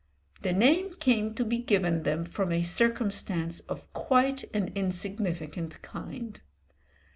The name came to be given them from a circumstance of quite an insignificant kind.